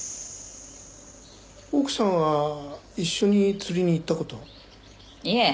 奥さんは一緒に釣りに行った事は？